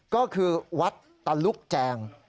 ก็คือวัดตะลุกแจง